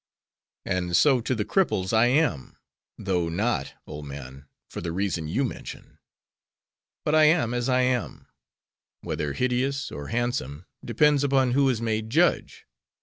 "And so, to the cripples I am; though not, old man, for the reason you mention. But I am, as I am; whether hideous, or handsome, depends upon who is made judge.